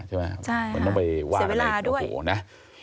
ใช่ไหมมันต้องไปว่าเวลาโอ้โหนะ